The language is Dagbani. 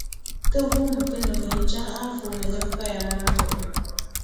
Ti vuumi ti nubihi n-chaŋ anfooni din paya maa zuɣu.